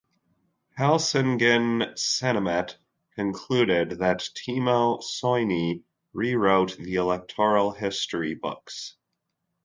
"Helsingin Sanomat" concluded that "Timo Soini rewrote the electoral history books".